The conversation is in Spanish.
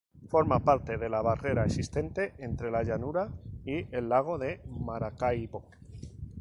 Forma parte de la barrera existente entre la llanura y el lago de Maracaibo.